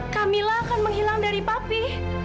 camilla akan menghilang dari papi